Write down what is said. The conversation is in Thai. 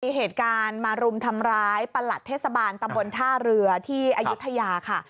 มีเหตุการณ์มารุมทำร้ายประหลัดเทศบาลตำบลท่าเรือที่อายุทยาค่ะ